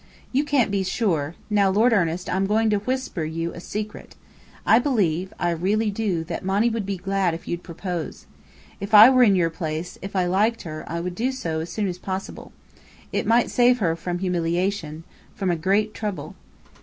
"You can't be sure. Now, Lord Ernest, I'm going to whisper you a secret. I believe I really do that Monny would be glad if you'd propose. If I were in your place, if I liked her, I would do so as soon as possible. It might save her from humiliation from a great trouble."